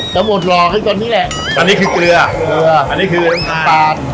ต้องหมดรอขึ้นก่อนนี้แหละอันนี้คือเกลือเกลืออันนี้คือน้ำตาล